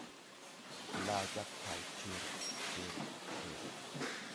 Laa jag pay tir, tir, tir.